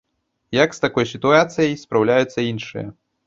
Як з такой сітуацыяй спраўляюцца іншыя?